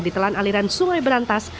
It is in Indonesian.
di telan aliran sungai berantas